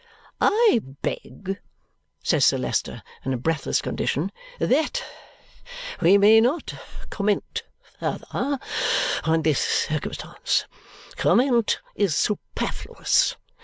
"I beg," says Sir Leicester in a breathless condition, "that we may not comment further on this circumstance. Comment is superfluous.